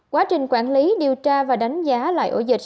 quá trình quản lý điều tra và đánh giá lại ổ dịch